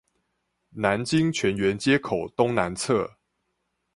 南京泉源街口東南側